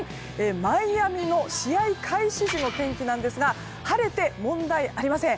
マイアミの試合開始時の天気ですが晴れて問題ありません。